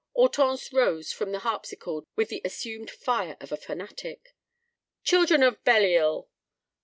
Hortense rose from the harpsichord with the assumed fire of a fanatic. "Children of Belial!"